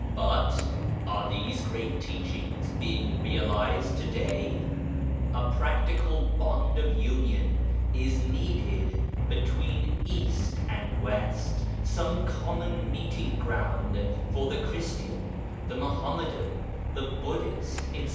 But, are these great teachings being realized to day ? A prac tical bond of union is needed between East and West, some common meeting ground for the Christian, the Mohammedan, the Buddhist, etc.